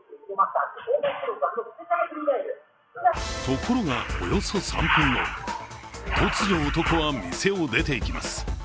ところがおよそ３分後、突如、男は店を出ていきます。